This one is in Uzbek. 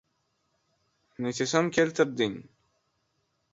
— Necha so‘m keltirding?